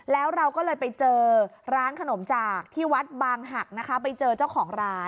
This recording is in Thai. แล้วเราก็เลยไปเจอร้านขนมจากที่วัดบางหักนะคะไปเจอเจ้าของร้าน